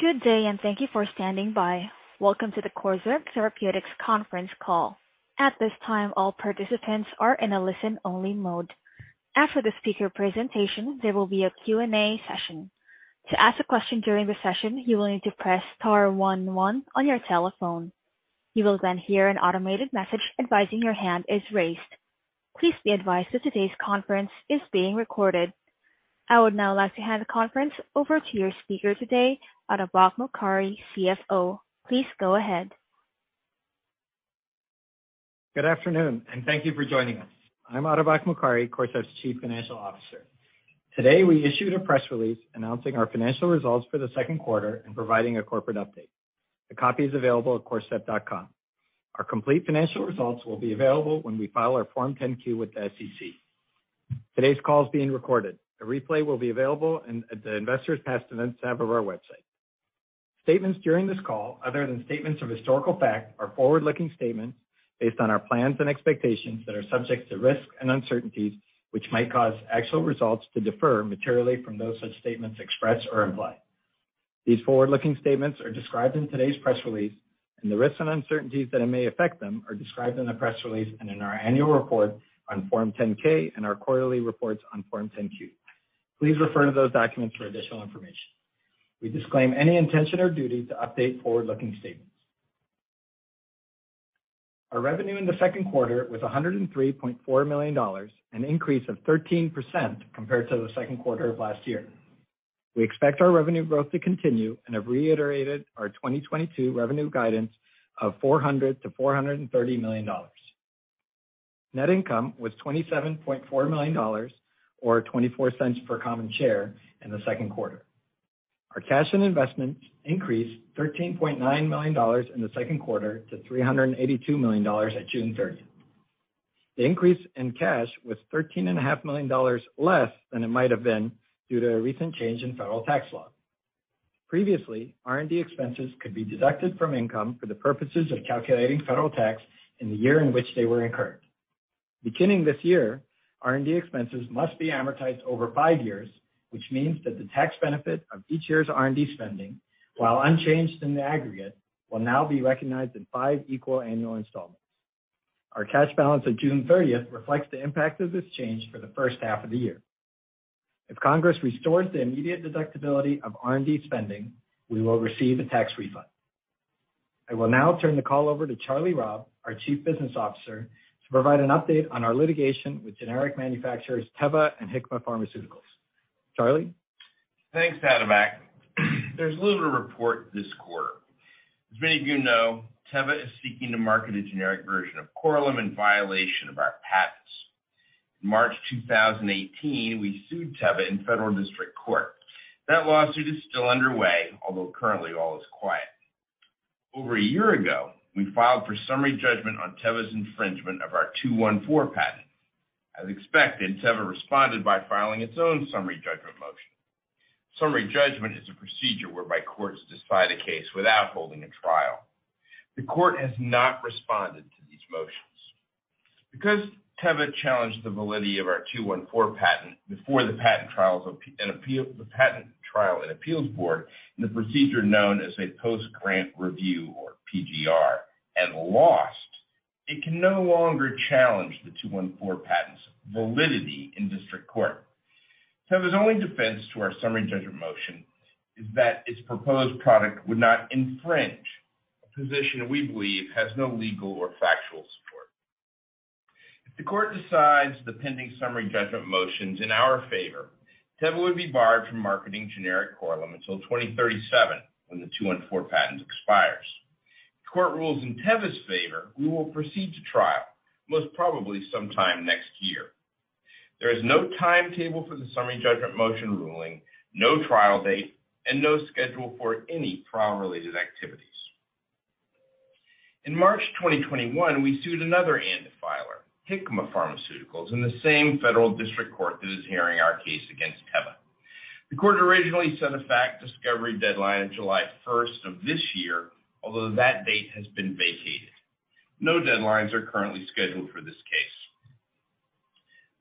Good day, and thank you for standing by. Welcome to the Corcept Therapeutics conference call. At this time, all participants are in a listen-only mode. After the speaker presentation, there will be a Q&A session. To ask a question during the session, you will need to press star one one on your telephone. You will then hear an automated message advising your hand is raised. Please be advised that today's conference is being recorded. I would now like to hand the conference over to your speaker today, Atabak Mokari, CFO. Please go ahead. Good afternoon, and thank you for joining us. I'm Atabak Mokari, Corcept's Chief Financial Officer. Today, we issued a press release announcing our financial results for the second quarter and providing a corporate update. The copy is available at corcept.com. Our complete financial results will be available when we file our Form 10-Q with the SEC. Today's call is being recorded. A replay will be available at the Investors tab of our website. Statements during this call, other than statements of historical fact, are forward-looking statements based on our plans and expectations that are subject to risks and uncertainties, which might cause actual results to differ materially from those such statements express or imply. These forward-looking statements are described in today's press release, and the risks and uncertainties that it may affect them are described in the press release and in our annual report on Form 10-K and our quarterly reports on Form 10-Q. Please refer to those documents for additional information. We disclaim any intention or duty to update forward-looking statements. Our revenue in the second quarter was $103.4 million, an increase of 13% compared to the second quarter of last year. We expect our revenue growth to continue and have reiterated our 2022 revenue guidance of $400 million-$430 million. Net income was $27.4 million or $0.24 per common share in the second quarter. Our cash and investments increased $13.9 million in the second quarter to $382 million at June 30th. The increase in cash was $13.5 million less than it might have been due to a recent change in federal tax law. Previously, R&D expenses could be deducted from income for the purposes of calculating federal tax in the year in which they were incurred. Beginning this year, R&D expenses must be amortized over five years, which means that the tax benefit of each year's R&D spending, while unchanged in the aggregate, will now be recognized in five equal annual installments. Our cash balance on June 30th reflects the impact of this change for the first half of the year. If Congress restores the immediate deductibility of R&D spending, we will receive a tax refund. I will now turn the call over to Charlie Robb, our Chief Business Officer, to provide an update on our litigation with generic manufacturers Teva and Hikma Pharmaceuticals. Charlie? Thanks, Atabak. There's little to report this quarter. As many of you know, Teva is seeking to market a generic version of Korlym in violation of our patents. In March 2018, we sued Teva in federal district court. That lawsuit is still underway, although currently all is quiet. Over a year ago, we filed for summary judgment on Teva's infringement of our '214 patent. As expected, Teva responded by filing its own summary judgment motion. Summary judgment is a procedure whereby courts decide a case without holding a trial. The court has not responded to these motions. Because Teva challenged the validity of our '214 patent before the patent trial and appeals board in a procedure known as a post-grant review or PGR, and lost, it can no longer challenge the '214 patent's validity in district court. Teva's only defense to our summary judgment motion is that its proposed product would not infringe, a position we believe has no legal or factual support. If the court decides the pending summary judgment motions in our favor, Teva would be barred from marketing generic Korlym until 2037 when the 214 patent expires. If the court rules in Teva's favor, we will proceed to trial, most probably sometime next year. There is no timetable for the summary judgment motion ruling, no trial date, and no schedule for any trial-related activities. In March 2021, we sued another ANDA filer, Hikma Pharmaceuticals, in the same federal district court that is hearing our case against Teva. The court originally set a fact discovery deadline of July 1st of this year, although that date has been vacated. No deadlines are currently scheduled for this case.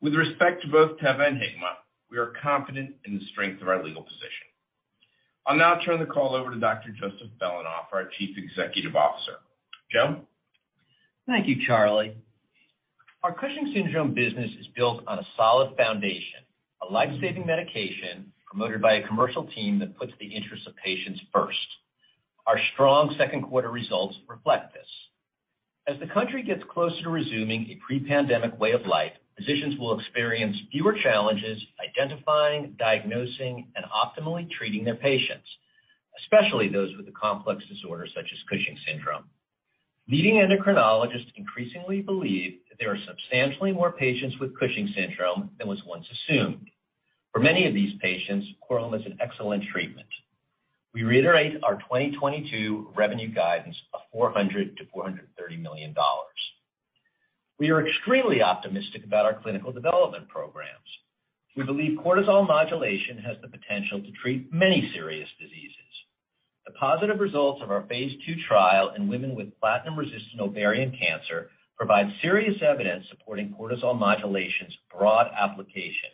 With respect to both Teva and Hikma, we are confident in the strength of our legal position. I'll now turn the call over to Dr. Joseph Belanoff, our Chief Executive Officer. Joe? Thank you, Charlie. Our Cushing's syndrome business is built on a solid foundation, a life-saving medication promoted by a commercial team that puts the interests of patients first. Our strong second quarter results reflect this. As the country gets closer to resuming a pre-pandemic way of life, physicians will experience fewer challenges identifying, diagnosing, and optimally treating their patients, especially those with a complex disorder such as Cushing's syndrome. Leading endocrinologists increasingly believe that there are substantially more patients with Cushing's syndrome than was once assumed. For many of these patients, Korlym is an excellent treatment. We reiterate our 2022 revenue guidance of $400 million-$430 million. We are extremely optimistic about our clinical development programs. We believe cortisol modulation has the potential to treat many serious diseases. The positive results of our phase II trial in women with platinum-resistant ovarian cancer provide serious evidence supporting cortisol modulation's broad application.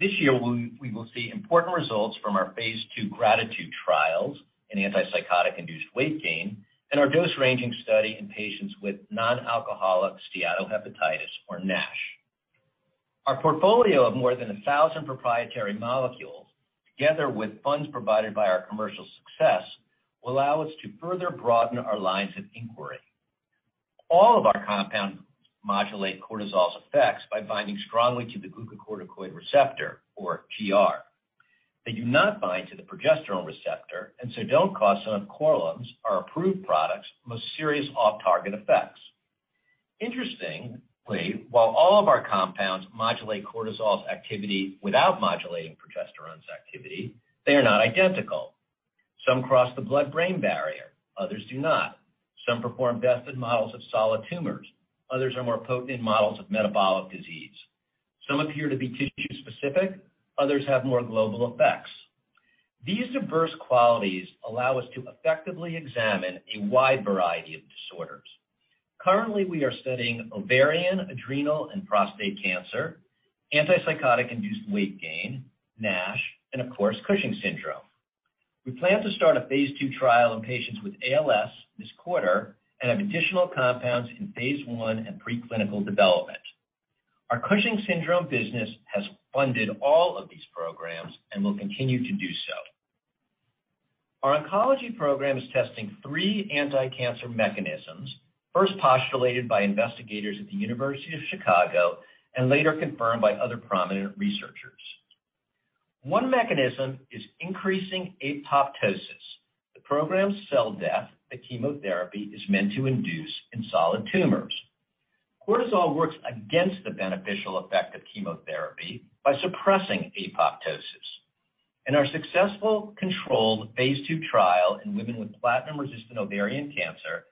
This year, we will see important results from our phase II GRATITUDE trials in antipsychotic-induced weight gain and our dose-ranging study in patients with nonalcoholic steatohepatitis or NASH. Our portfolio of more than 1,000 proprietary molecules, together with funds provided by our commercial success, will allow us to further broaden our lines of inquiry. All of our compounds modulate cortisol's effects by binding strongly to the glucocorticoid receptor or GR. They do not bind to the progesterone receptor, and so don't cause some of Korlym's, our approved products, most serious off-target effects. Interestingly, while all of our compounds modulate cortisol's activity without modulating progesterone's activity, they are not identical. Some cross the blood-brain barrier, others do not. Some perform best in models of solid tumors, others are more potent in models of metabolic disease. Some appear to be tissue-specific, others have more global effects. These diverse qualities allow us to effectively examine a wide variety of disorders. Currently, we are studying ovarian, adrenal, and prostate cancer, antipsychotic-induced weight gain, NASH, and of course, Cushing's syndrome. We plan to start a phase II trial in patients with ALS this quarter and have additional compounds in phase I and preclinical development. Our Cushing's syndrome business has funded all of these programs and will continue to do so. Our oncology program is testing three anti-cancer mechanisms, first postulated by investigators at the University of Chicago and later confirmed by other prominent researchers. One mechanism is increasing apoptosis. The program's cell death that chemotherapy is meant to induce in solid tumors. Cortisol works against the beneficial effect of chemotherapy by suppressing apoptosis. In our successful controlled phase II trial in women with platinum-resistant ovarian cancer,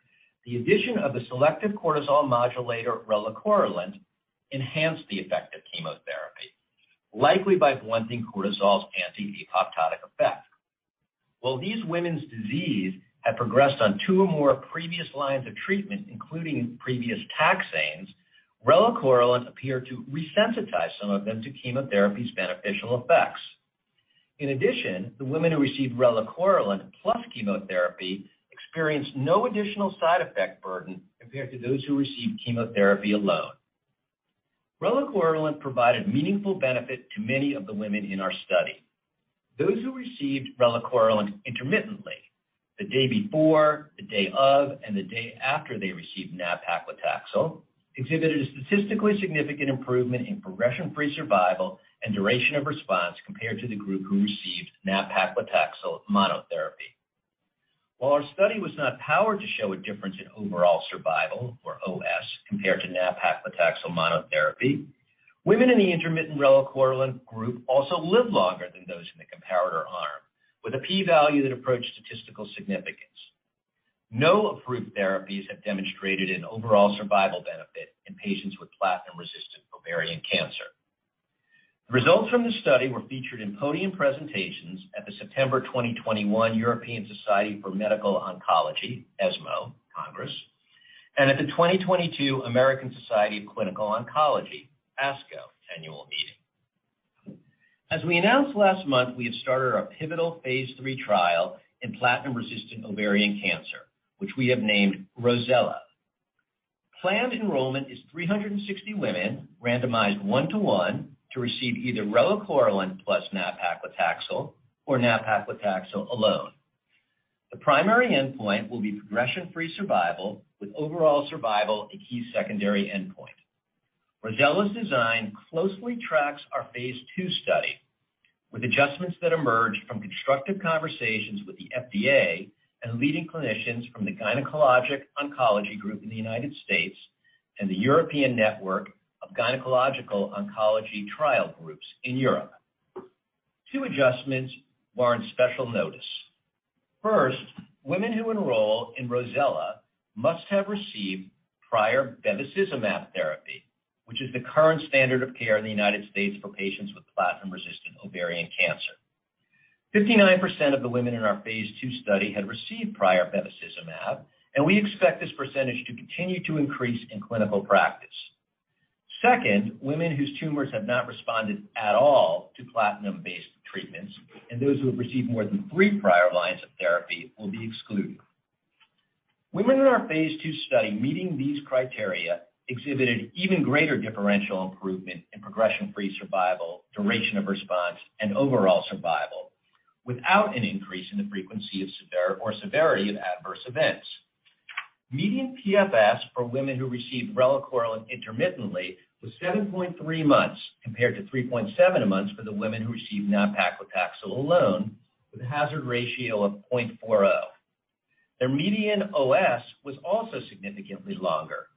the addition of a selective cortisol modulator, relacorilant, enhanced the effect of chemotherapy, likely by blunting cortisol's anti-apoptotic effect. While these women's disease had progressed on two or more previous lines of treatment, including previous taxanes, relacorilant appeared to resensitize some of them to chemotherapy's beneficial effects. In addition, the women who received relacorilant plus chemotherapy experienced no additional side effect burden compared to those who received chemotherapy alone. Relacorilant provided meaningful benefit to many of the women in our study. Those who received relacorilant intermittently, the day before, the day of, and the day after they received nab-paclitaxel, exhibited a statistically significant improvement in progression-free survival and duration of response compared to the group who received nab-paclitaxel monotherapy. While our study was not powered to show a difference in overall survival, or OS, compared to nab-paclitaxel monotherapy, women in the intermittent relacorilant group also lived longer than those in the comparator arm with a P value that approached statistical significance. No approved therapies have demonstrated an overall survival benefit in patients with platinum-resistant ovarian cancer. The results from the study were featured in podium presentations at the September 2021 European Society for Medical Oncology, ESMO Congress, and at the 2022 American Society of Clinical Oncology, ASCO annual meeting. As we announced last month, we have started our pivotal phase III trial in platinum-resistant ovarian cancer, which we have named ROSELLA. Planned enrollment is 360 women randomized 1 to 1 to receive either relacorilant plus nab-paclitaxel or nab-paclitaxel alone. The primary endpoint will be progression-free survival with overall survival a key secondary endpoint. ROSELLA's design closely tracks our phase II study with adjustments that emerge from constructive conversations with the FDA and leading clinicians from the Gynecologic Oncology Group in the United States and the European Network of Gynecological Oncological Trial Groups in Europe. Two adjustments warrant special notice. First, women who enroll in ROSELLA must have received prior bevacizumab therapy, which is the current standard of care in the United States for patients with platinum-resistant ovarian cancer. 59% of the women in our phase II study had received prior bevacizumab, and we expect this percentage to continue to increase in clinical practice. Second, women whose tumors have not responded at all to platinum-based treatments and those who have received more than three prior lines of therapy will be excluded. Women in our phase II study meeting these criteria exhibited even greater differential improvement in progression-free survival, duration of response, and overall survival without an increase in the frequency or severity of adverse events. Median PFS for women who received relacorilant intermittently was 7.3 months compared to 3.7 months for the women who received nab-paclitaxel alone with a hazard ratio of 0.4. Their median OS was also significantly longer,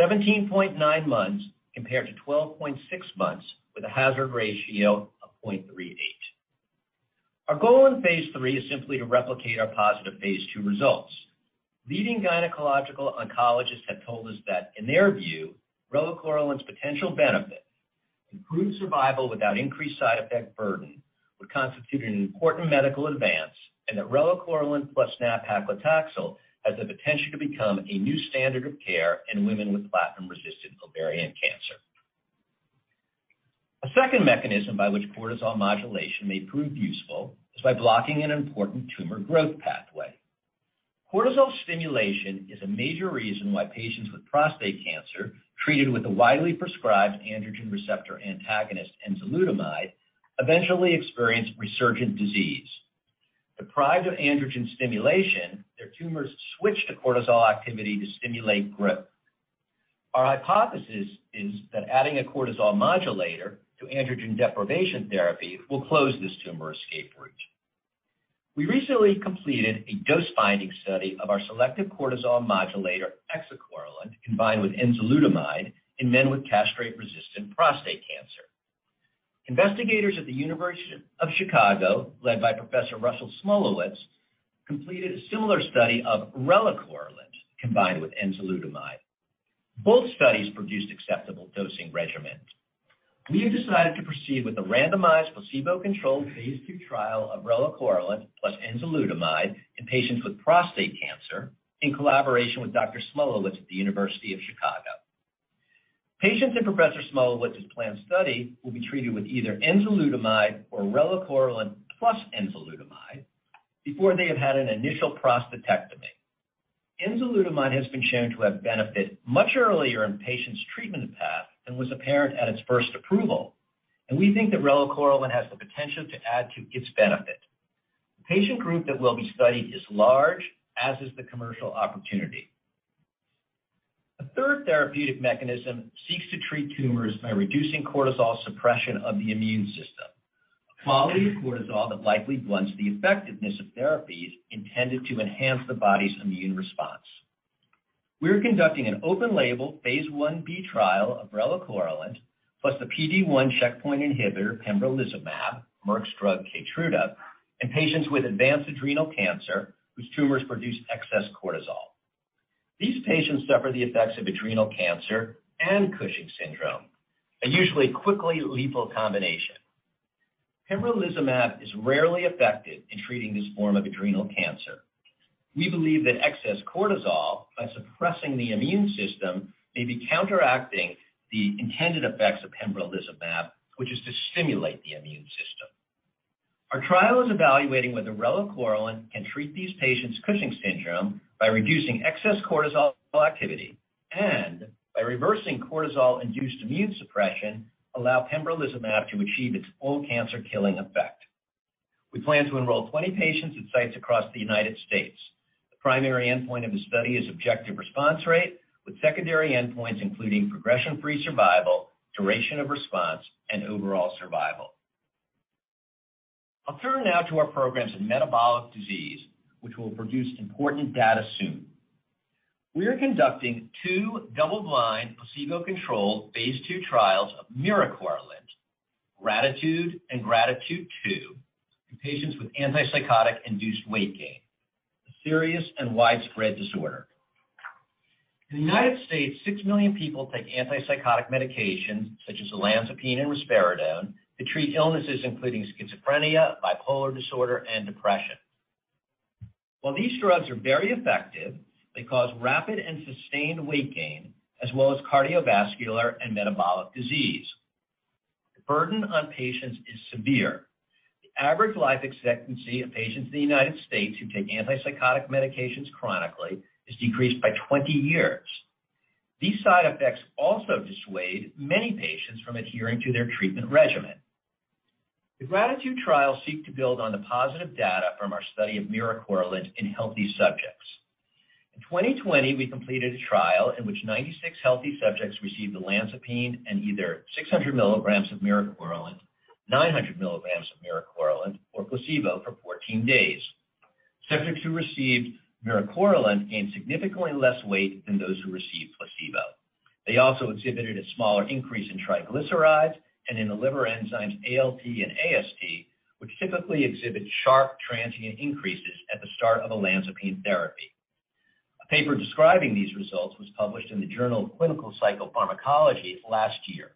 17.9 months compared to 12.6 months with a hazard ratio of 0.38. Our goal in phase III is simply to replicate our positive phase II results. Leading gynecological oncologists have told us that in their view, relacorilant's potential benefit. Improved survival without increased side effect burden would constitute an important medical advance, and that relacorilant plus nab-paclitaxel has the potential to become a new standard of care in women with platinum-resistant ovarian cancer. A second mechanism by which cortisol modulation may prove useful is by blocking an important tumor growth pathway. Cortisol stimulation is a major reason why patients with prostate cancer treated with a widely prescribed androgen receptor antagonist enzalutamide eventually experience resurgent disease. Deprived of androgen stimulation, their tumors switch to cortisol activity to stimulate growth. Our hypothesis is that adding a cortisol modulator to androgen deprivation therapy will close this tumor escape route. We recently completed a dose-finding study of our selective cortisol modulator, exacorilant, combined with enzalutamide in men with castrate-resistant prostate cancer. Investigators at the University of Chicago, led by Professor Russell Szmulewitz, completed a similar study of relacorilant combined with enzalutamide. Both studies produced acceptable dosing regimens. We have decided to proceed with a randomized placebo-controlled phase II trial of relacorilant plus enzalutamide in patients with prostate cancer in collaboration with Dr. Szmulewitz at the University of Chicago. Patients in Professor Szmulewitz's planned study will be treated with either enzalutamide or relacorilant plus enzalutamide before they have had an initial prostatectomy. Enzalutamide has been shown to have benefit much earlier in patients' treatment path than was apparent at its first approval, and we think that relacorilant has the potential to add to its benefit. The patient group that will be studied is large, as is the commercial opportunity. A third therapeutic mechanism seeks to treat tumors by reducing cortisol suppression of the immune system, a quality of cortisol that likely blunts the effectiveness of therapies intended to enhance the body's immune response. We are conducting an open-label phase I-b trial of relacorilant plus the PD-1 checkpoint inhibitor pembrolizumab, Merck's drug Keytruda, in patients with advanced adrenal cancer whose tumors produce excess cortisol. These patients suffer the effects of adrenal cancer and Cushing's syndrome, a usually quickly lethal combination. Pembrolizumab is rarely effective in treating this form of adrenal cancer. We believe that excess cortisol, by suppressing the immune system, may be counteracting the intended effects of pembrolizumab, which is to stimulate the immune system. Our trial is evaluating whether relacorilant can treat these patients' Cushing's syndrome by reducing excess cortisol activity and by reversing cortisol-induced immune suppression to allow pembrolizumab to achieve its full cancer-killing effect. We plan to enroll 20 patients at sites across the United States. The primary endpoint of the study is objective response rate, with secondary endpoints including progression-free survival, duration of response, and overall survival. I'll turn now to our programs in metabolic disease, which will produce important data soon. We are conducting two double-blind, placebo-controlled phase II trials of miricorilant, GRATITUDE and GRATITUDE II, in patients with antipsychotic-induced weight gain, a serious and widespread disorder. In the United States, 6 million people take antipsychotic medications such as olanzapine and risperidone to treat illnesses including schizophrenia, bipolar disorder, and depression. While these drugs are very effective, they cause rapid and sustained weight gain as well as cardiovascular and metabolic disease. The burden on patients is severe. The average life expectancy of patients in the United States who take antipsychotic medications chronically is decreased by 20 years. These side effects also dissuade many patients from adhering to their treatment regimen. The GRATITUDE trial seek to build on the positive data from our study of miricorilant in healthy subjects. In 2020, we completed a trial in which 96 healthy subjects received olanzapine and either 600 milligrams of miricorilant, 900 milligrams of miricorilant, or placebo for 14 days. Subjects who received miricorilant gained significantly less weight than those who received placebo. They also exhibited a smaller increase in triglycerides and in the liver enzymes ALT and AST, which typically exhibit sharp transient increases at the start of olanzapine therapy. A paper describing these results was published in the Journal of Clinical Psychopharmacology last year.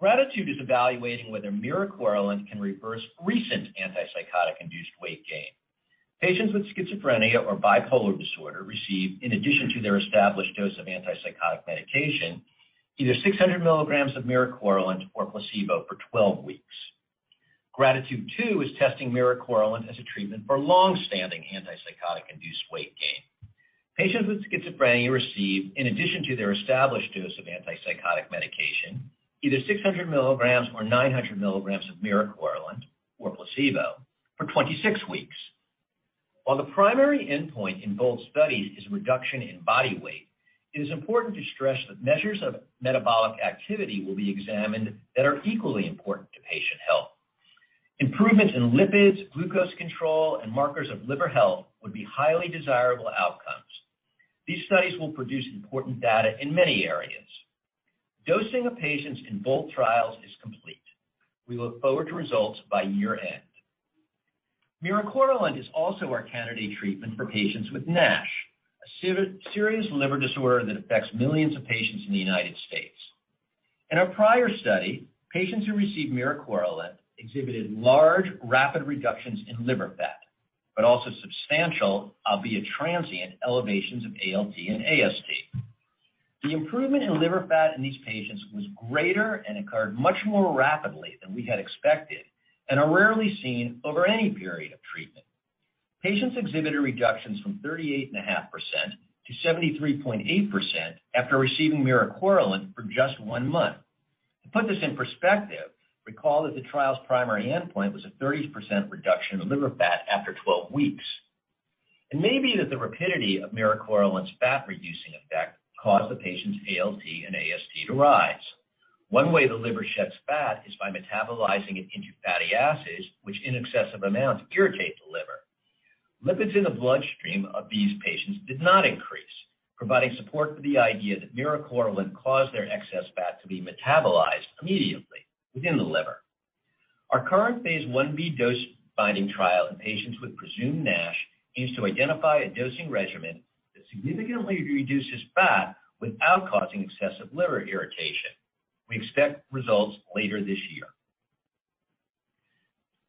GRATITUDE is evaluating whether miricorilant can reverse recent antipsychotic-induced weight gain. Patients with schizophrenia or bipolar disorder receive, in addition to their established dose of antipsychotic medication, either 600 milligrams of miricorilant or placebo for 12 weeks. GRATITUDE II is testing miricorilant as a treatment for long-standing antipsychotic-induced weight gain. Patients with schizophrenia receive, in addition to their established dose of antipsychotic medication, either 600 milligrams or 900 milligrams of miricorilant or placebo for 26 weeks. While the primary endpoint in both studies is reduction in body weight, it is important to stress that measures of metabolic activity will be examined that are equally important to patient health. Improvements in lipids, glucose control, and markers of liver health would be highly desirable outcomes. These studies will produce important data in many areas. Dosing of patients in both trials is complete. We look forward to results by year-end. Miricorilant is also our candidate treatment for patients with NASH, a serious liver disorder that affects millions of patients in the United States. In our prior study, patients who received miricorilant exhibited large, rapid reductions in liver fat, but also substantial, albeit transient, elevations of ALT and AST. The improvement in liver fat in these patients was greater and occurred much more rapidly than we had expected, and are rarely seen over any period of treatment. Patients exhibited reductions from 38.5% to 73.8% after receiving miricorilant for just one month. To put this in perspective, recall that the trial's primary endpoint was a 30% reduction in liver fat after 12 weeks. It may be that the rapidity of miricorilant's fat-reducing effect caused the patient's ALT and AST to rise. One way the liver sheds fat is by metabolizing it into fatty acids, which in excessive amounts irritate the liver. Lipids in the bloodstream of these patients did not increase, providing support for the idea that miricorilant caused their excess fat to be metabolized immediately within the liver. Our current phase 1b dose-finding trial in patients with presumed NASH aims to identify a dosing regimen that significantly reduces fat without causing excessive liver irritation. We expect results later this year.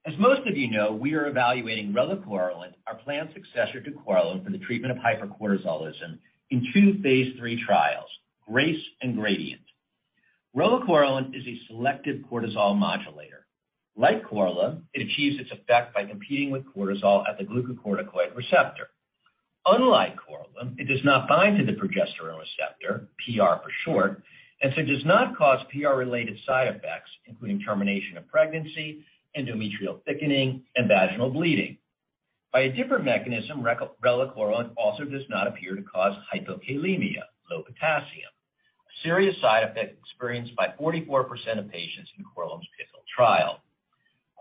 As most of you know, we are evaluating relacorilant, our planned successor to Korlym, for the treatment of hypercortisolism in two phase III trials, GRACE and GRADIENT. Relacorilant is a selective cortisol modulator. Like Korlym, it achieves its effect by competing with cortisol at the glucocorticoid receptor. Unlike Korlym, it does not bind to the progesterone receptor, PR for short, and so does not cause PR-related side effects, including termination of pregnancy, endometrial thickening, and vaginal bleeding. By a different mechanism, relacorilant also does not appear to cause hypokalemia, low potassium. A serious side effect experienced by 44% of patients in Korlym's SEISMIC trial.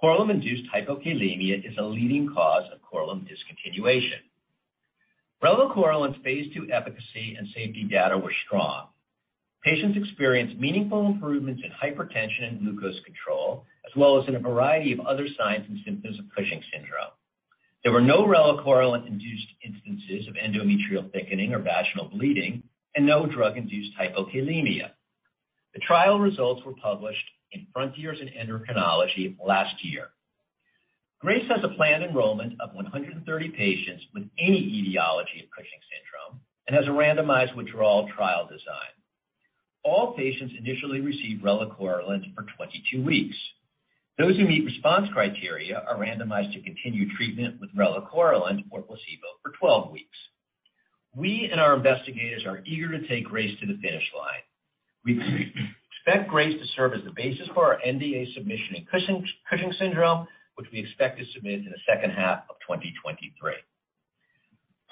Korlym-induced hypokalemia is a leading cause of Korlym discontinuation. Relacorilant's phase II efficacy and safety data were strong. Patients experienced meaningful improvements in hypertension and glucose control, as well as in a variety of other signs and symptoms of Cushing's syndrome. There were no relacorilant-induced instances of endometrial thickening or vaginal bleeding and no drug-induced hypokalemia. The trial results were published in Frontiers in Endocrinology last year. GRACE has a planned enrollment of 130 patients with any etiology of Cushing's syndrome and has a randomized withdrawal trial design. All patients initially receive relacorilant for 22 weeks. Those who meet response criteria are randomized to continued treatment with relacorilant or placebo for 12 weeks. We and our investigators are eager to take Grace to the finish line. We expect Grace to serve as the basis for our NDA submission in Cushing's syndrome, which we expect to submit in the second half of 2023.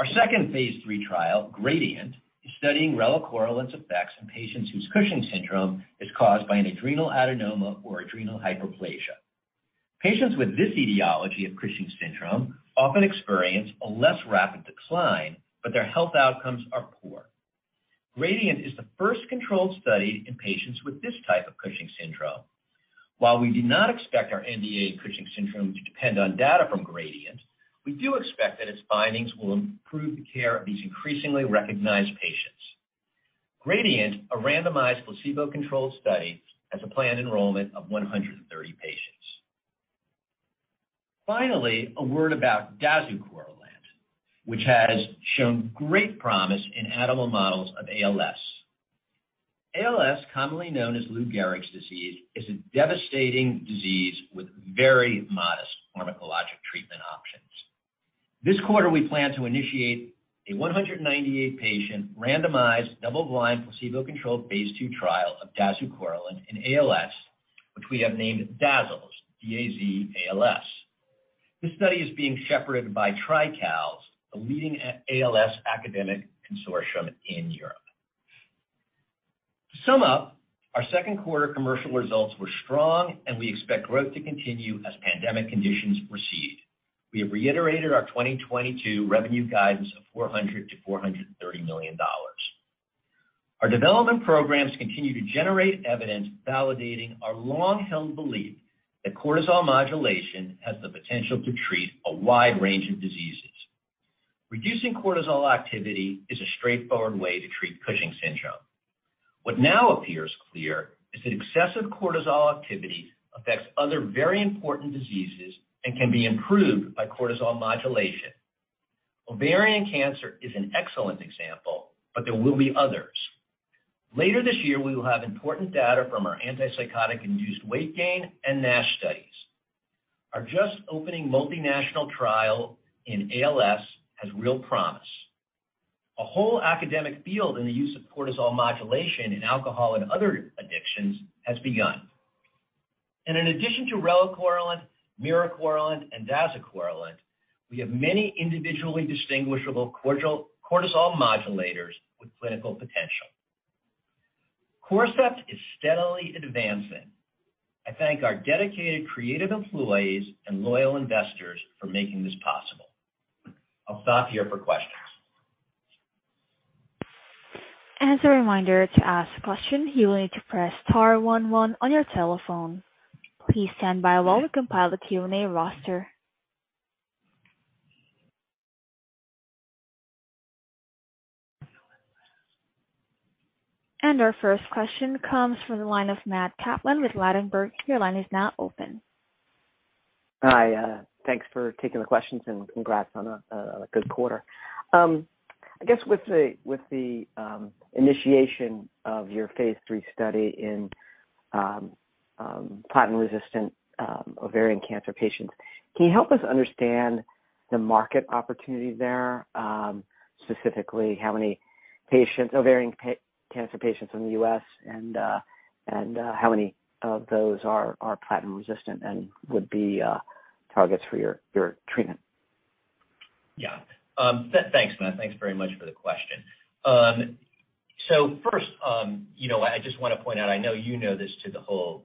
Our second phase III trial, Gradient, is studying relacorilant's effects in patients whose Cushing's syndrome is caused by an adrenal adenoma or adrenal hyperplasia. Patients with this etiology of Cushing's syndrome often experience a less rapid decline, but their health outcomes are poor. Gradient is the first controlled study in patients with this type of Cushing's syndrome. While we do not expect our NDA in Cushing's syndrome to depend on data from GRADIENT, we do expect that its findings will improve the care of these increasingly recognized patients. GRADIENT, a randomized placebo-controlled study, has a planned enrollment of 130 patients. Finally, a word about dazucorilant, which has shown great promise in animal models of ALS. ALS, commonly known as Lou Gehrig's disease, is a devastating disease with very modest pharmacologic treatment options. This quarter we plan to initiate a 198 patient randomized double-blind placebo-controlled phase 2 trial of dazucorilant in ALS, which we have named DAZALS, D-A-Z-A-L-S. This study is being shepherded by TRICALS, a leading ALS academic consortium in Europe. To sum up, our second quarter commercial results were strong, and we expect growth to continue as pandemic conditions recede. We have reiterated our 2022 revenue guidance of $400 million-$430 million. Our development programs continue to generate evidence validating our long-held belief that cortisol modulation has the potential to treat a wide range of diseases. Reducing cortisol activity is a straightforward way to treat Cushing's syndrome. What now appears clear is that excessive cortisol activity affects other very important diseases and can be improved by cortisol modulation. Ovarian cancer is an excellent example, but there will be others. Later this year, we will have important data from our antipsychotic-induced weight gain and NASH studies. Our just opening multinational trial in ALS has real promise. A whole academic field in the use of cortisol modulation in alcohol and other addictions has begun. In addition to relacorilant, miricorilant, and dazucorilant, we have many individually distinguishable cortisol modulators with clinical potential. Corcept is steadily advancing. I thank our dedicated, creative employees and loyal investors for making this possible. I'll stop here for questions. As a reminder, to ask a question, you will need to press star one one on your telephone. Please stand by while we compile the Q&A roster. Our first question comes from the line of Matt Kaplan with Ladenburg. Your line is now open. Hi, thanks for taking the questions and congrats on a good quarter. I guess with the initiation of your phase III study in platinum-resistant ovarian cancer patients, can you help us understand the market opportunity there? Specifically, how many ovarian cancer patients in the U.S. and how many of those are platinum resistant and would be targets for your treatment? Yeah. Thanks, Matt. Thanks very much for the question. So first, you know, I just wanna point out, I know you know this to the whole group,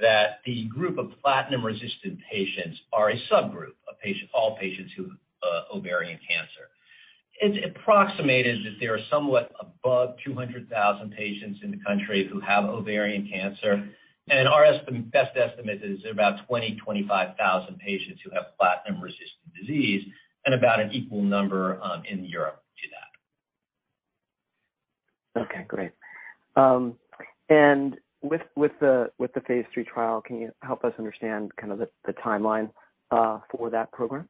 that the group of platinum-resistant patients are a subgroup of patient, all patients who have ovarian cancer. It's approximated that there are somewhat above 200,000 patients in the country who have ovarian cancer, and our best estimate is about 20,000-25,000 patients who have platinum-resistant disease and about an equal number in Europe to that. Okay, great. With the phase III trial, can you help us understand kind of the timeline for that program?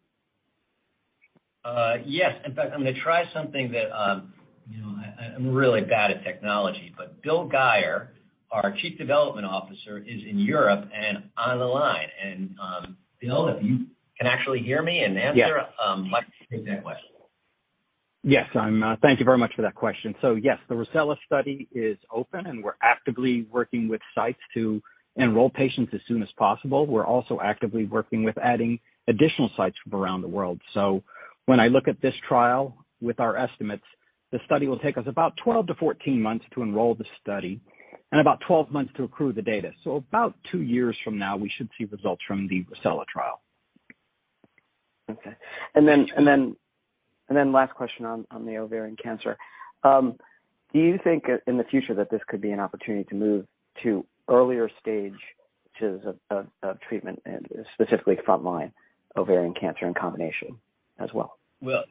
Yes. In fact, I'm gonna try something that, you know, I'm really bad at technology, but Bill Guyer, our Chief Development Officer, is in Europe and on the line. Bill, if you can actually hear me and answer. Yes. Mike's exact question. Yes, thank you very much for that question. Yes, the ROSELLA study is open, and we're actively working with sites to enroll patients as soon as possible. We're also actively working with adding additional sites from around the world. When I look at this trial with our estimates, the study will take us about 12 months-14 months to enroll the study and about 12 months to accrue the data. About two years from now, we should see results from the ROSELLA trial. Okay. Last question on the ovarian cancer. Do you think in the future that this could be an opportunity to move to earlier stages of treatment and specifically frontline ovarian cancer in combination as well? Well,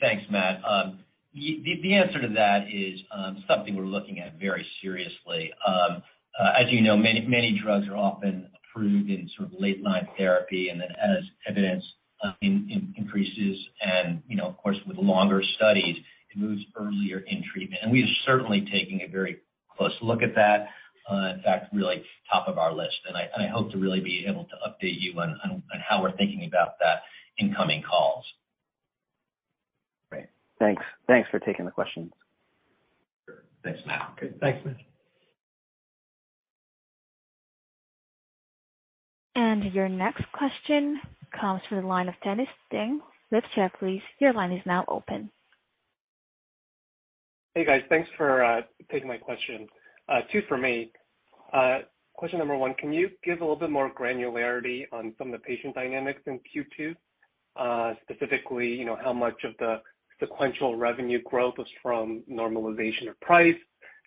thanks, Matt. The answer to that is something we're looking at very seriously. As you know, many drugs are often approved in sort of late-line therapy and then as evidence increases and, you know, of course, with longer studies, it moves earlier in treatment. We are certainly taking a very close look at that, in fact, really top of our list. I hope to really be able to update you on how we're thinking about that in coming calls. Great. Thanks. Thanks for taking the questions. Sure. Thanks, Matt. Okay. Thanks, Matt. Your next question comes from the line of Dennis Ding with Jefferies. Your line is now open. Hey, guys. Thanks for taking my question. Two for me. Question number one, can you give a little bit more granularity on some of the patient dynamics in Q2? Specifically, you know, how much of the sequential revenue growth was from normalization of price,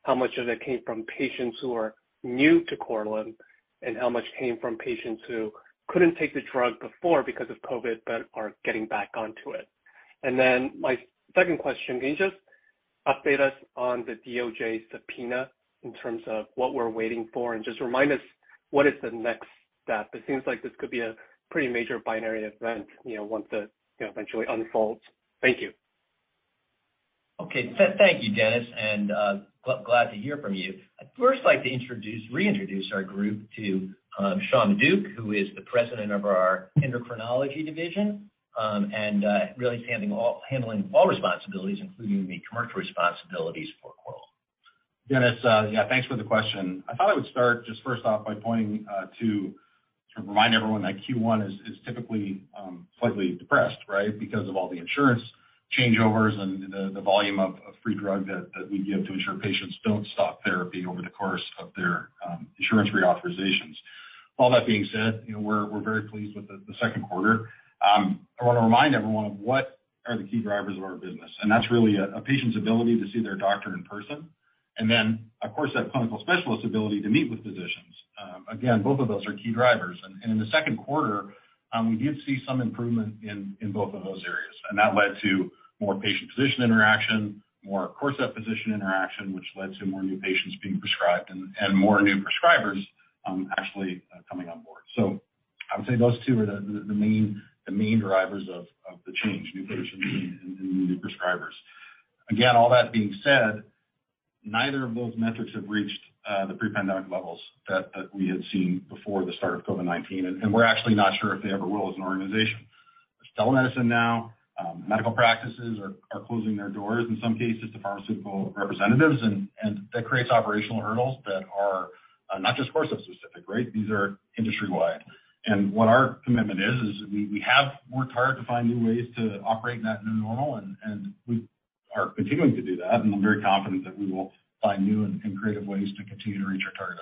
how much of it came from patients who are new to Korlym, and how much came from patients who couldn't take the drug before because of COVID but are getting back onto it? My second question, can you just update us on the DOJ subpoena in terms of what we're waiting for, and just remind us what is the next step? It seems like this could be a pretty major binary event, you know, once it eventually unfolds. Thank you. Okay. Thank you, Dennis, and glad to hear from you. I'd first like to reintroduce our group to Sean Maduck, who is the president of our endocrinology division, and really handling all responsibilities, including the commercial responsibilities for Korlym. Dennis, yeah, thanks for the question. I thought I would start just first off by pointing to sort of remind everyone that Q1 is typically slightly depressed, right? Because of all the insurance changeovers and the volume of free drug that we give to ensure patients don't stop therapy over the course of their insurance reauthorizations. All that being said, you know, we're very pleased with the second quarter. I wanna remind everyone of what are the key drivers of our business, and that's really a patient's ability to see their doctor in person, and then of course, that clinical specialist ability to meet with physicians. Again, both of those are key drivers. In the second quarter, we did see some improvement in both of those areas, and that led to more patient-physician interaction, more Corcept physician interaction, which led to more new patients being prescribed and more new prescribers actually coming on board. I would say those two are the main drivers of the change, new patients and new prescribers. Again, all that being said, neither of those metrics have reached the pre-pandemic levels that we had seen before the start of COVID-19, and we're actually not sure if they ever will as an organization. There's telemedicine now, medical practices are closing their doors in some cases to pharmaceutical representatives, and that creates operational hurdles that are not just Corcept specific, right? These are industry-wide. What our commitment is, we have worked hard to find new ways to operate in that new normal and we are continuing to do that, and I'm very confident that we will find new and creative ways to continue to reach our target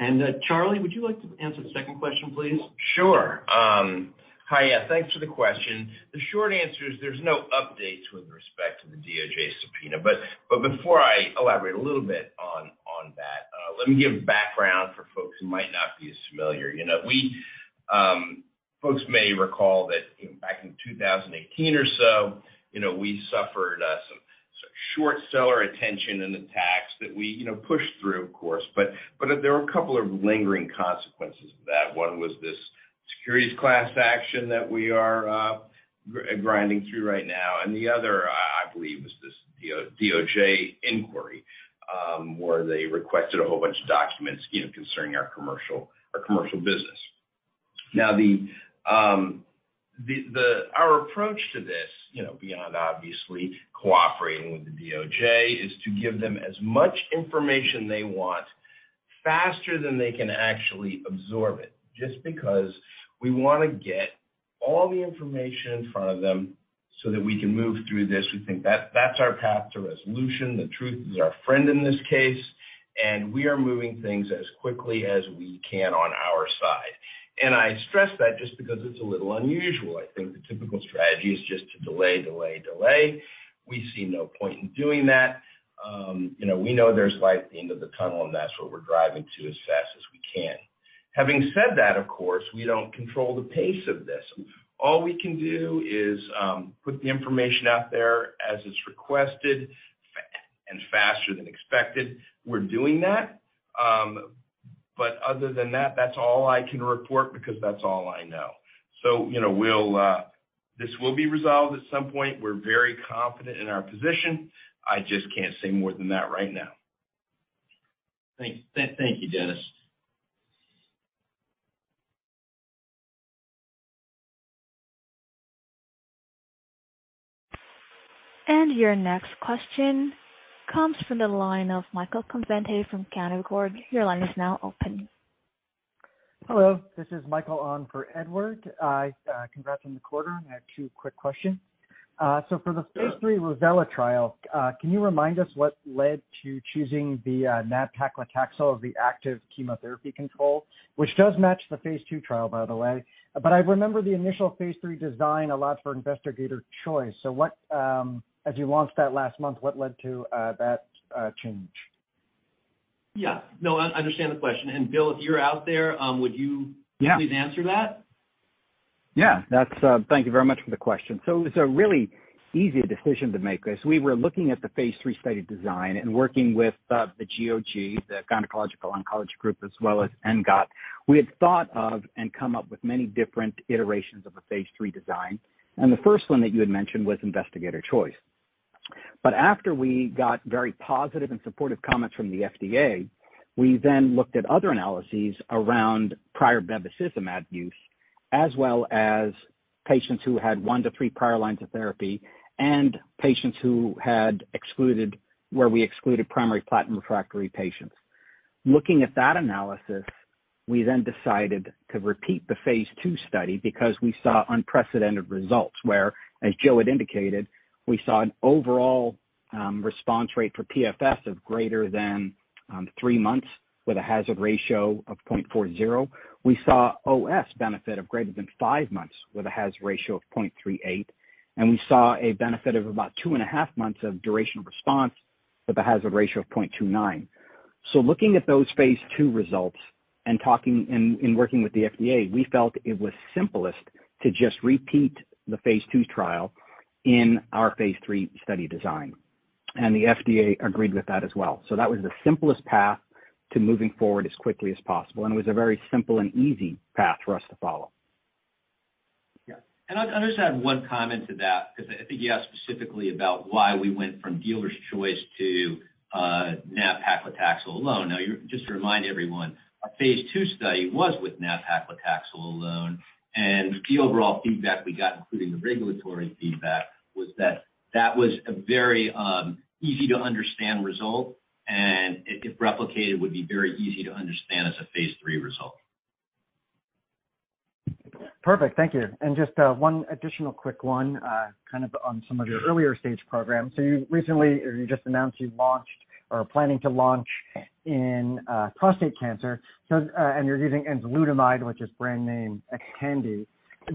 audience. Charlie, would you like to answer the second question, please? Sure. Hi. Yeah, thanks for the question. The short answer is there's no updates with respect to the DOJ subpoena. Before I elaborate a little bit on that, let me give background for folks who might not be as familiar. You know, we... Folks may recall that, you know, back in 2018 or so, you know, we suffered some short seller attention and attacks that we, you know, pushed through, of course, but there were a couple of lingering consequences of that. One was this securities class action that we are grinding through right now. The other, I believe, is this DOJ inquiry, where they requested a whole bunch of documents, you know, concerning our commercial business. Now the... Our approach to this, you know, beyond obviously cooperating with the DOJ, is to give them as much information they want faster than they can actually absorb it, just because we wanna get all the information in front of them so that we can move through this. We think that's our path to resolution. The truth is our friend in this case, and we are moving things as quickly as we can on our side. I stress that just because it's a little unusual. I think the typical strategy is just to delay, delay. We see no point in doing that. You know, we know there's light at the end of the tunnel, and that's what we're driving to as fast as we can. Having said that, of course, we don't control the pace of this. All we can do is put the information out there as it's requested faster than expected. We're doing that. Other than that's all I can report because that's all I know. You know, this will be resolved at some point. We're very confident in our position. I just can't say more than that right now. Thank you, Dennis. Your next question comes from the line of Michael Covente from Canaccord. Your line is now open. Hello. This is Michael on for Edward. Congrats on the quarter. I have two quick questions. So for the phase III ROSELLA trial, can you remind us what led to choosing the nab-paclitaxel as the active chemotherapy control, which does match the phase II trial, by the way. I remember the initial phase III design allows for investigator choice. What, as you launched that last month, what led to that change? Yeah. No, I understand the question. Bill, if you're out there, would you- Yeah. Please answer that? Yeah. That's. Thank you very much for the question. It was a really easy decision to make. As we were looking at the phase III study design and working with the GOG, the Gynecologic Oncology Group, as well as ENGOT, we had thought of and come up with many different iterations of a phase III design, and the first one that you had mentioned was investigator choice. After we got very positive and supportive comments from the FDA, we then looked at other analyses around prior bevacizumab use, as well as patients who had 1-3 prior lines of therapy and patients where we excluded primary platinum refractory patients. Looking at that analysis, we then decided to repeat the phase II study because we saw unprecedented results where, as Joe had indicated, we saw an overall response rate for PFS of greater than three months with a hazard ratio of 0.40. We saw OS benefit of greater than five months with a hazard ratio of 0.38, and we saw a benefit of about 2.5 months of duration of response with a hazard ratio of 0.29. Looking at those phase II results and talking and working with the FDA, we felt it was simplest to just repeat the phase II trial in our phase III study design. The FDA agreed with that as well. that was the simplest path to moving forward as quickly as possible, and it was a very simple and easy path for us to follow. Yeah. I'd just add one comment to that because I think you asked specifically about why we went from dealer's choice to nab-paclitaxel alone. Just to remind everyone, our phase II study was with nab-paclitaxel alone, and the overall feedback we got, including the regulatory feedback, was that that was a very easy to understand result, and if replicated, would be very easy to understand as a phase III result. Perfect. Thank you. Just one additional quick one, kind of on some of your earlier stage programs. You recently or you just announced you've launched or are planning to launch in prostate cancer. You're using enzalutamide, which is brand name Xtandi.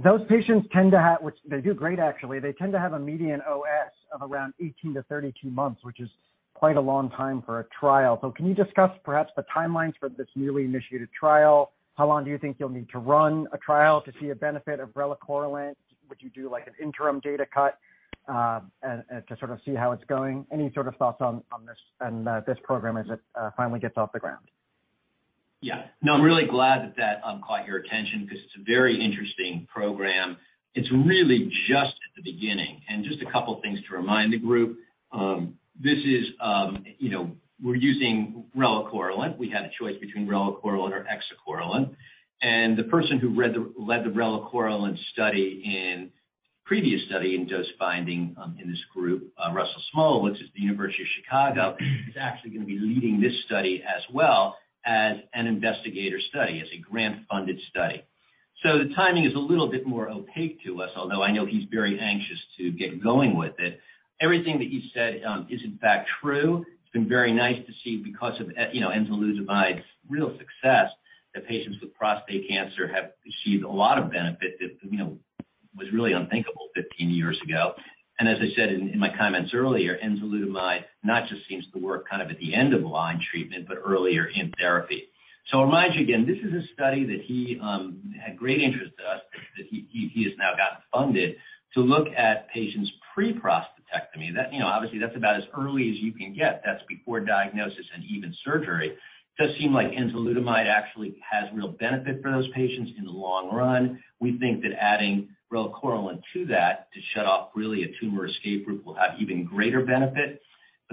Those patients tend to have, which they do great actually, they tend to have a median OS of around 18 months-32 months, which is quite a long time for a trial. Can you discuss perhaps the timelines for this newly initiated trial? How long do you think you'll need to run a trial to see a benefit of relacorilant? Would you do like an interim data cut to sort of see how it's going? Any sort of thoughts on this and this program as it finally gets off the ground? Yeah. No, I'm really glad that caught your attention because it's a very interesting program. It's really just at the beginning. Just a couple things to remind the group. This is, you know, we're using relacorilant. We had a choice between relacorilant or exacorilant. The person who led the relacorilant study in previous study in dose finding, in this group, Russell Szmulewitz, which is the University of Chicago, is actually gonna be leading this study as well as an investigator study, as a grant-funded study. The timing is a little bit more opaque to us, although I know he's very anxious to get going with it. Everything that you said is in fact true. It's been very nice to see because of you know, enzalutamide's real success that patients with prostate cancer have achieved a lot of benefit that, you know, was really unthinkable 15 years ago. As I said in my comments earlier, enzalutamide not just seems to work kind of at the end of line treatment, but earlier in therapy. I'll remind you again, this is a study that he had great interest to us, that he has now gotten funded to look at patients pre-prostatectomy. That, you know, obviously that's about as early as you can get. That's before diagnosis and even surgery. Does seem like enzalutamide actually has real benefit for those patients in the long run. We think that adding relacorilant to that to shut off really a tumor escape route will have even greater benefit.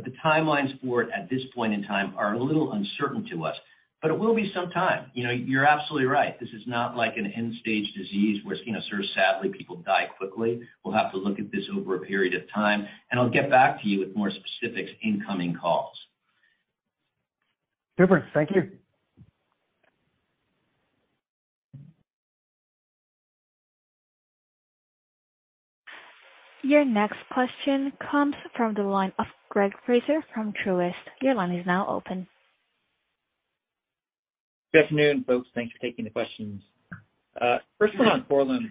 The timelines for it at this point in time are a little uncertain to us. It will be some time. You know, you're absolutely right. This is not like an end-stage disease where, you know, sort of sadly, people die quickly. We'll have to look at this over a period of time, and I'll get back to you with more specifics in coming calls. Super. Thank you. Your next question comes from the line of Greg Fraser from Truist. Your line is now open. Good afternoon, folks. Thanks for taking the questions. First one on Korlym.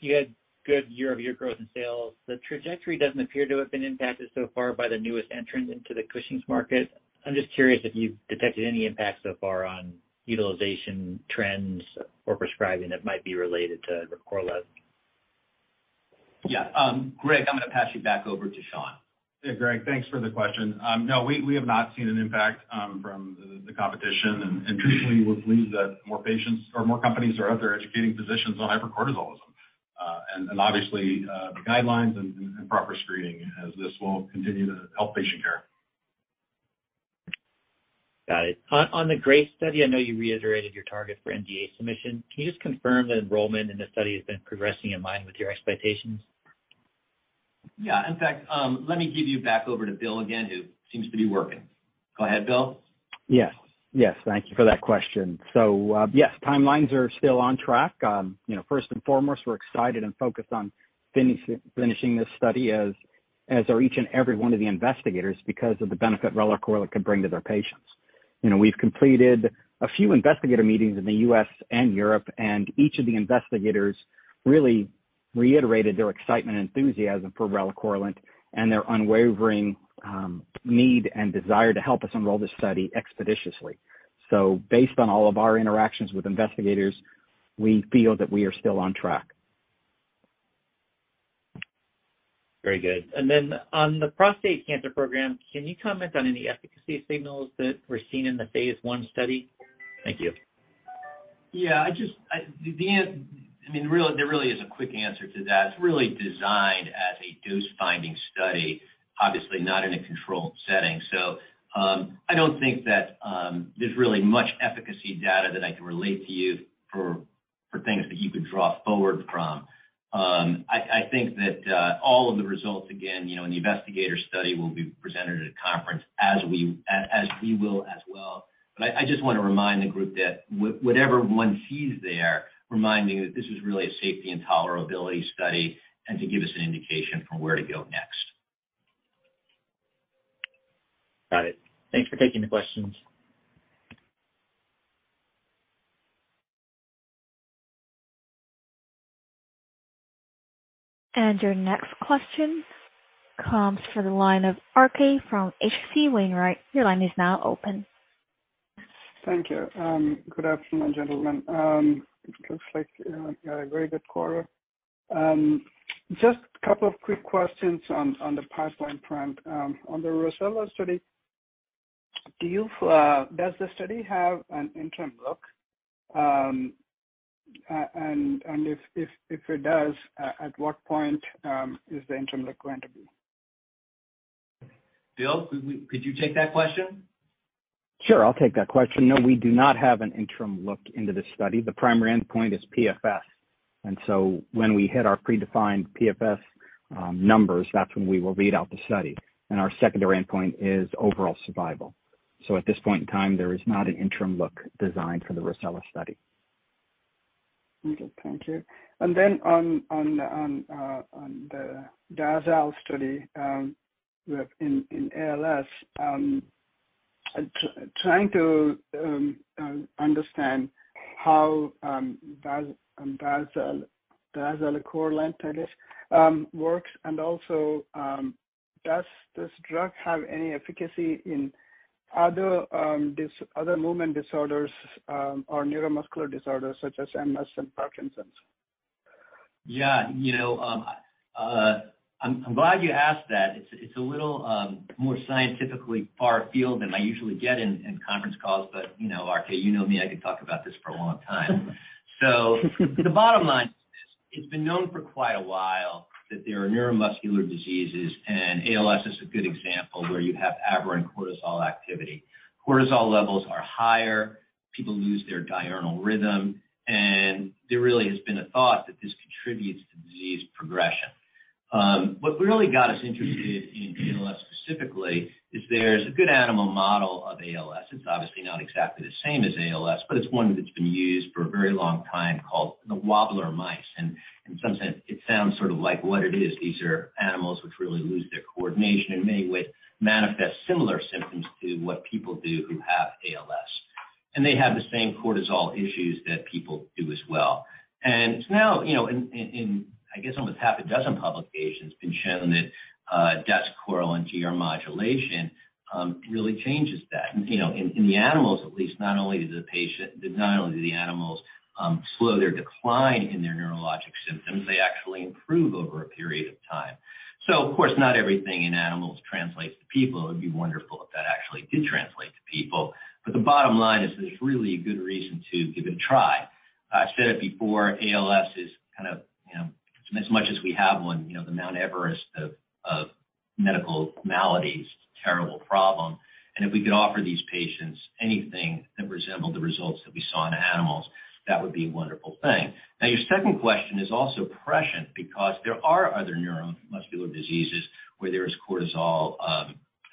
You had good year-over-year growth in sales. The trajectory doesn't appear to have been impacted so far by the newest entrant into the Cushing's market. I'm just curious if you've detected any impact so far on utilization trends or prescribing that might be related to the Korlym? Yeah. Greg, I'm gonna pass you back over to Sean. Yeah, Greg, thanks for the question. No, we have not seen an impact from the competition. Traditionally, we believe that more patients or more companies are out there educating physicians on hypercortisolism, and obviously, the guidelines and proper screening as this will continue to help patient care. Got it. On the GRACE study, I know you reiterated your target for NDA submission. Can you just confirm that enrollment in the study has been progressing in line with your expectations? Yeah. In fact, let me give you back over to Bill again, who seems to be working. Go ahead, Bill. Yes. Yes, thank you for that question. Yes, timelines are still on track. You know, first and foremost, we're excited and focused on finishing this study, as are each and every one of the investigators because of the benefit relacorilant could bring to their patients. You know, we've completed a few investigator meetings in the U.S. and Europe, and each of the investigators really reiterated their excitement and enthusiasm for relacorilant and their unwavering need and desire to help us enroll this study expeditiously. Based on all of our interactions with investigators, we feel that we are still on track. Very good. On the prostate cancer program, can you comment on any efficacy signals that were seen in the phase I study? Thank you. Yeah. I mean, there really is a quick answer to that. It's really designed as a dose-finding study, obviously not in a controlled setting. I don't think that there's really much efficacy data that I can relate to you for things that you could draw forward from. I think that all of the results again, you know, in the investigator study will be presented at a conference as we will as well. I just wanna remind the group that whatever one sees there, reminding that this is really a safety and tolerability study and to give us an indication for where to go next. Got it. Thanks for taking the questions. Your next question comes from the line of R.K. from H.C. Wainwright. Your line is now open. Thank you. Good afternoon, gentlemen. It looks like you had a very good quarter. Just a couple of quick questions on the pipeline front. On the ROSELLA study, does the study have an interim look? If it does, at what point is the interim look going to be? Bill, could you take that question? Sure, I'll take that question. No, we do not have an interim look into the study. The primary endpoint is PFS. When we hit our predefined PFS numbers, that's when we will read out the study. Our secondary endpoint is overall survival. At this point in time, there is not an interim look designed for the ROSELLA study. Okay, thank you. Then on the DAZALS study in ALS, trying to understand how dazucorilant, I guess, works and also, does this drug have any efficacy in other movement disorders or neuromuscular disorders such as MS and Parkinson's? Yeah. You know, I'm glad you asked that. It's a little more scientifically far afield than I usually get in conference calls, but you know, RK, you know me, I could talk about this for a long time. The bottom line is this. It's been known for quite a while that there are neuromuscular diseases, and ALS is a good example, where you have aberrant cortisol activity. Cortisol levels are higher. People lose their diurnal rhythm, and there really has been a thought that this contributes to disease progression. What really got us interested in ALS specifically is there's a good animal model of ALS. It's obviously not exactly the same as ALS, but it's one that's been used for a very long time called the wobbler mice. In some sense, it sounds sort of like what it is. These are animals which really lose their coordination and may manifest similar symptoms to what people do who have ALS. They have the same cortisol issues that people do as well. Now, you know, in I guess, almost half a dozen publications been shown that does correlate GR modulation really changes that. You know, in the animals, at least not only do the patient. Not only do the animals slow their decline in their neurologic symptoms, they actually improve over a period of time. Of course, not everything in animals translates to people. It'd be wonderful if that actually did translate to people. The bottom line is there's really a good reason to give it a try. I said it before, ALS is kind of, you know, as much as we have one, you know, the Mount Everest of medical maladies, terrible problem. If we could offer these patients anything that resembled the results that we saw in animals, that would be a wonderful thing. Now, your second question is also prescient because there are other neuromuscular diseases where there is cortisol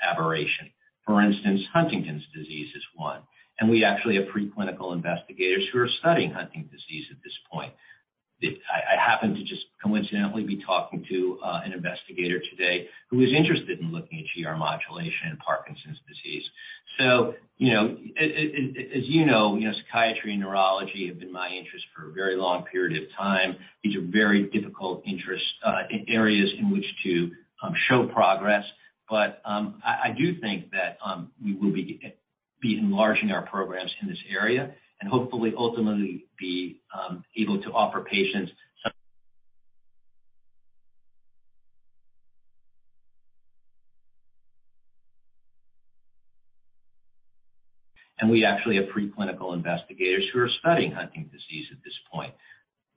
aberration. For instance, Huntington's disease is one, and we actually have preclinical investigators who are studying Huntington's disease at this point. I happen to just coincidentally be talking to an investigator today who is interested in looking at GR modulation in Parkinson's disease. You know, as you know, you know, psychiatry and neurology have been my interest for a very long period of time. These are very difficult interest areas in which to show progress. I do think that we will be enlarging our programs in this area and hopefully ultimately be able to offer patients some. We actually have preclinical investigators who are studying Huntington's disease at this point.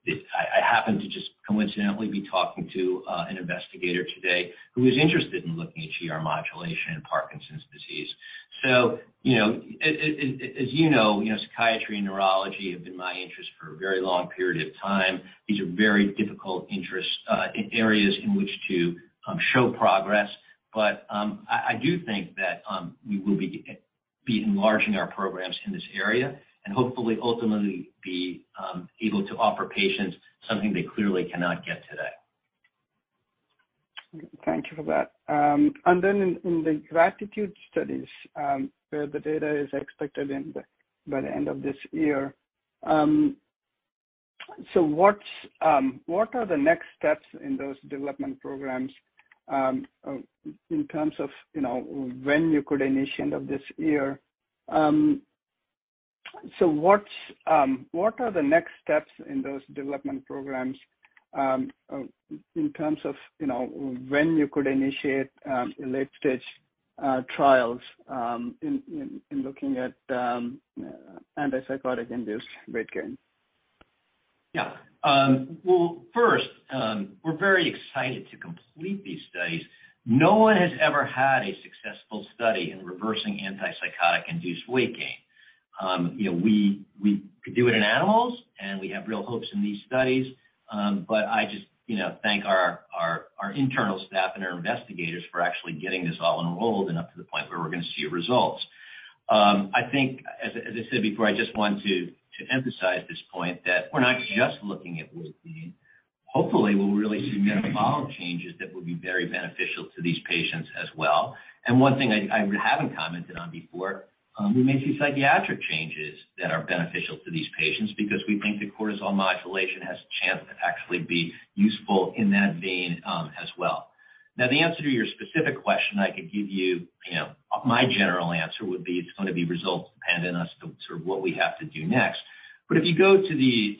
I happen to just coincidentally be talking to an investigator today who is interested in looking at GR modulation in Parkinson's disease. As you know, you know, psychiatry and neurology have been my interest for a very long period of time. These are very difficult interest areas in which to show progress. I do think that we will be enlarging our programs in this area and hopefully ultimately be able to offer patients something they clearly cannot get today. Thank you for that. In the GRATITUDE studies, where the data is expected by the end of this year, what are the next steps in those development programs, in terms of, you know, when you could initiate late-stage trials in looking at antipsychotic-induced weight gain? Yeah. Well, first, we're very excited to complete these studies. No one has ever had a successful study in reversing antipsychotic-induced weight gain. You know, we could do it in animals, and we have real hopes in these studies. But I just, you know, thank our internal staff and our investigators for actually getting this all enrolled and up to the point where we're gonna see results. I think, as I said before, I just want to emphasize this point that we're not just looking at weight gain. Hopefully, we'll really see metabolic changes that will be very beneficial to these patients as well. One thing I haven't commented on before, we may see psychiatric changes that are beneficial to these patients because we think the cortisol modulation has a chance to actually be useful in that vein, as well. Now, the answer to your specific question, I could give you know, my general answer would be it's gonna be results dependent as to sort of what we have to do next. If you go to the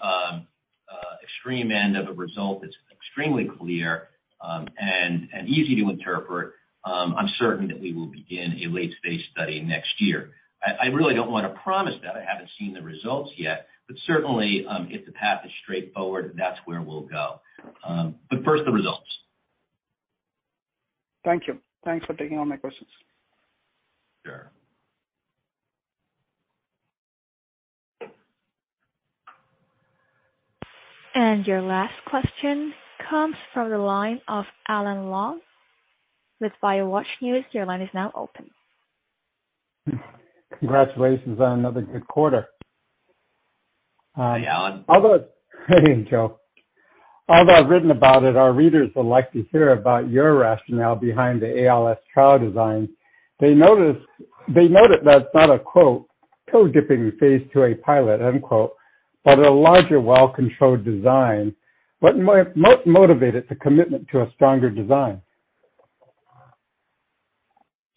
extreme end of a result that's extremely clear, and easy to interpret, I'm certain that we will begin a late-stage study next year. I really don't wanna promise that I haven't seen the results yet, but certainly, if the path is straightforward, that's where we'll go. First, the results. Thank you. Thanks for taking all my questions. Sure. Your last question comes from the line of Alan Leong with BioWatch News. Your line is now open. Congratulations on another good quarter. Hi, Alan. Hey, Joe. Although I've written about it, our readers would like to hear about your rationale behind the ALS trial design. They note that that's not a quote, "toe dipping phase to a pilot," end quote, but a larger, well-controlled design. What motivated the commitment to a stronger design?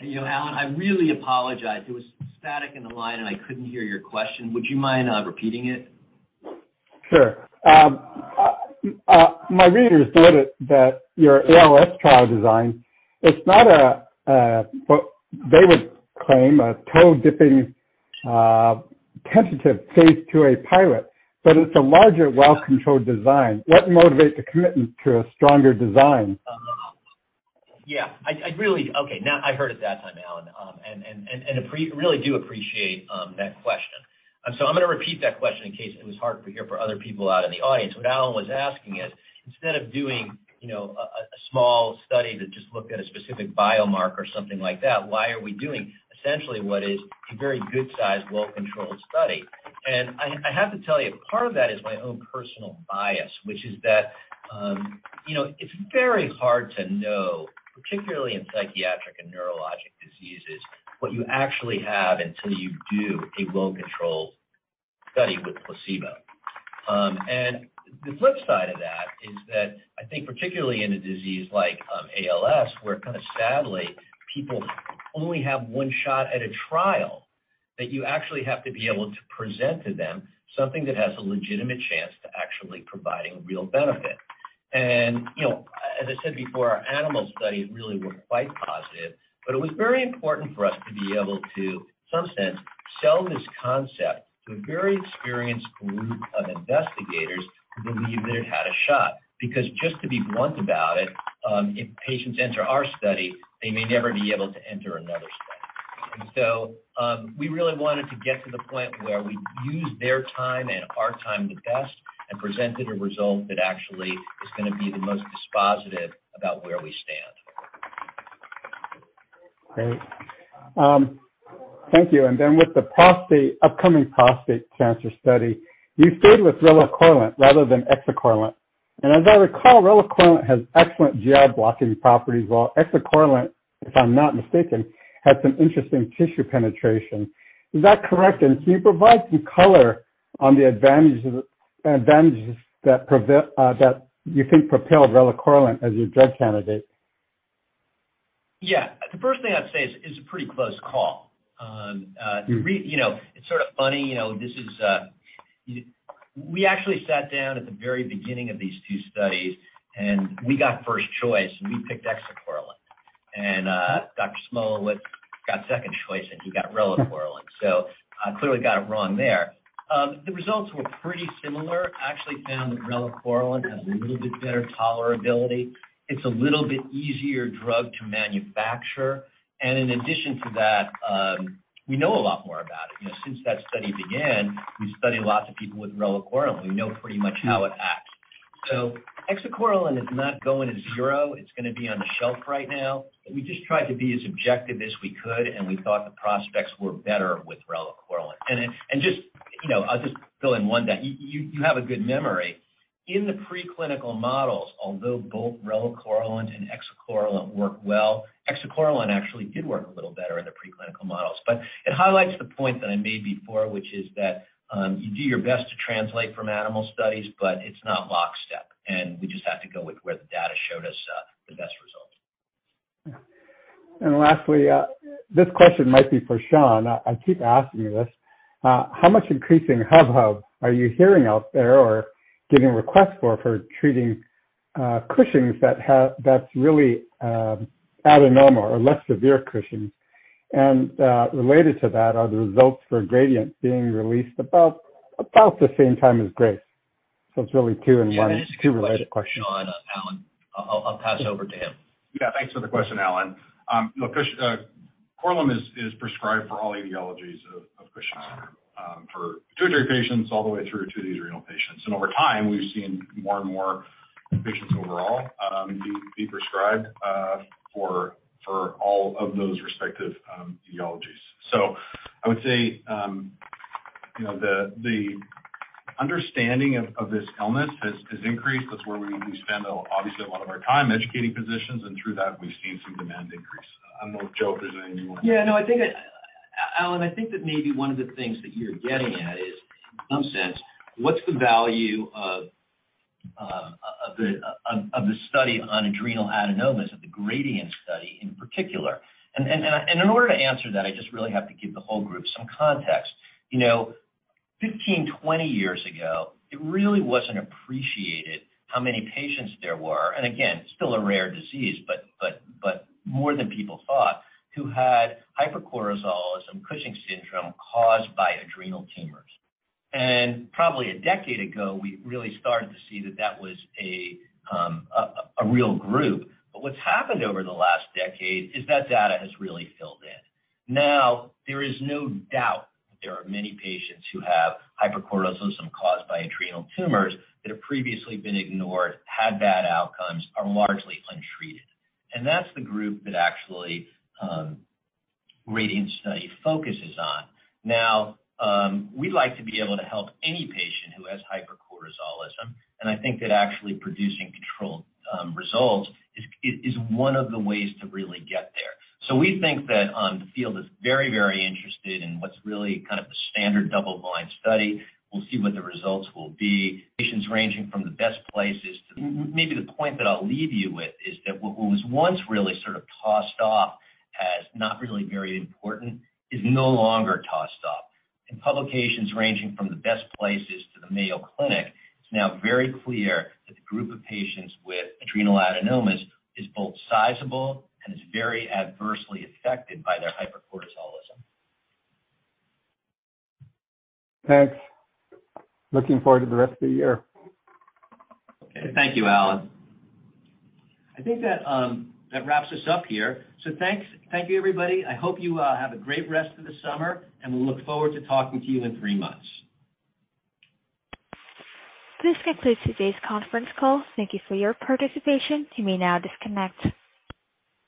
You know, Alan, I really apologize. There was some static in the line, and I couldn't hear your question. Would you mind repeating it? Sure. My readers noted that your ALS trial design is not what they would claim a toe-dipping tentative Phase II pilot, but it's a larger, well-controlled design. What motivates the commitment to a stronger design? Yeah, okay, now I heard it that time, Alan, and I really do appreciate that question. I'm gonna repeat that question in case it was hard to hear for other people out in the audience. What Alan was asking is, instead of doing, you know, a small study that just looked at a specific biomarker or something like that, why are we doing essentially what is a very good sized, well-controlled study? I have to tell you, part of that is my own personal bias, which is that, you know, it's very hard to know, particularly in psychiatric and neurologic diseases, what you actually have until you do a well-controlled study with placebo. The flip side of that is that I think particularly in a disease like ALS, where kinda sadly people only have one shot at a trial, that you actually have to be able to present to them something that has a legitimate chance to actually providing real benefit. You know, as I said before, our animal studies really were quite positive, but it was very important for us to be able to, in some sense, sell this concept to a very experienced group of investigators who believe that it had a shot. Because just to be blunt about it, if patients enter our study, they may never be able to enter another study. We really wanted to get to the point where we used their time and our time the best and presented a result that actually is gonna be the most dispositive about where we stand. Great. Thank you. Then with the prostate, upcoming prostate cancer study, you stayed with relacorilant rather than exicorilant. As I recall, relacorilant has excellent GI blocking properties while exicorilant, if I'm not mistaken, has some interesting tissue penetration. Is that correct? Can you provide some color on the advantages that you think propel relacorilant as your drug candidate? Yeah. The first thing I'd say is, it's a pretty close call. Mm-hmm. You know, it's sort of funny, you know, this is, we actually sat down at the very beginning of these two studies, and we got first choice, and we picked exacorilant. Dr. Szmulewitz got second choice, and he got relacorilant. I clearly got it wrong there. The results were pretty similar. Actually found that relacorilant has a little bit better tolerability. It's a little bit easier drug to manufacture. In addition to that, we know a lot more about it. You know, since that study began, we studied lots of people with relacorilant. We know pretty much how it acts. Exacorilant is not going to zero. It's gonna be on the shelf right now. We just tried to be as objective as we could, and we thought the prospects were better with relacorilant. Just, you know, I'll just fill in one detail. You have a good memory. In the preclinical models, although both relacorilant and exacorilant work well, exacorilant actually did work a little better in the preclinical models. It highlights the point that I made before, which is that you do your best to translate from animal studies, but it's not lockstep, and we just have to go with where the data showed us the best results. Yeah. Lastly, this question might be for Sean. I keep asking you this. How much increasing hubbub are you hearing out there or getting requests for treating Cushing's that's really adenoma or less severe Cushing? And related to that, are the results for GRADIENT being released about the same time as GRACE? So it's really two in one. Sure. Two related questions. Sean, Alan, I'll pass it over to him. Yeah. Thanks for the question, Alan. Look, Korlym is prescribed for all etiologies of Cushing's, for pituitary patients all the way through to the adrenal patients. Over time, we've seen more and more patients overall be prescribed for all of those respective etiologies. I would say, you know, the understanding of this illness has increased. That's where we spend obviously a lot of our time educating physicians, and through that, we've seen some demand increase. I don't know, Joe, if there's anything you wanna add. Yeah, no, I think that Alan, I think that maybe one of the things that you're getting at is, in some sense, what's the value of the study on adrenal adenomas, of the GRADIENT study in particular. In order to answer that, I just really have to give the whole group some context. You know, 15 years, 20 years ago, it really wasn't appreciated how many patients there were, and again, still a rare disease, but more than people thought, who had hypercortisolism Cushing's syndrome caused by adrenal tumors. Probably a decade ago, we really started to see that that was a real group. What's happened over the last decade is that data has really filled in. There is no doubt that there are many patients who have hypercortisolism caused by adrenal tumors that have previously been ignored, had bad outcomes, are largely untreated. That's the group that actually GRADIENT study focuses on. Now, we like to be able to help any patient who has hypercortisolism, and I think that actually producing controlled results is one of the ways to really get there. We think that the field is very, very interested in what's really kind of the standard double-blind study. We'll see what the results will be. Maybe the point that I'll leave you with is that what was once really sort of tossed off as not really very important is no longer tossed off. In publications ranging from the best places to the Mayo Clinic, it's now very clear that the group of patients with adrenal adenomas is both sizable and is very adversely affected by their hypercortisolism. Thanks. Looking forward to the rest of the year. Okay. Thank you, Alan. I think that wraps us up here. Thanks. Thank you, everybody. I hope you have a great rest of the summer, and we look forward to talking to you in three months. This concludes today's conference call. Thank you for your participation. You may now disconnect.